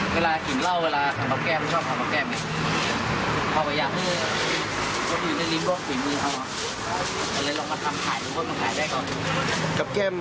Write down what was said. เวลาขินเหล้าเวลาขับกับแก้มชอบขับกับแก้ม